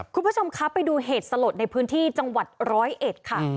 คุณผู้ชมคะไปดูเหตุสลดในพื้นที่จังหวัดร้อยเอ็ดค่ะ